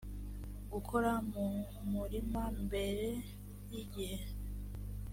gukora mu murima mbere y igihe